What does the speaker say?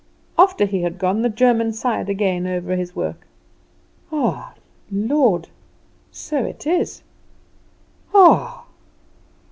After he had gone the German sighed again over his work: "Ah, Lord! So it is! Ah!"